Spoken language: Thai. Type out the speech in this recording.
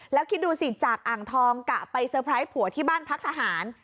แล้วคิดดูสิจากอ่างทองกะไปเตอร์ไพรส์ผัวที่บ้านพักทหาร